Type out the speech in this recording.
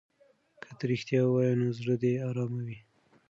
که ته رښتیا ووایې نو زړه دې ارام وي.